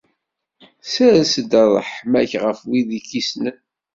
Ssers-d ṛṛeḥma-k ɣef wid i k-issnen.